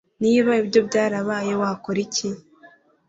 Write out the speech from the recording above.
Niba ibyo byarabaye wakora iki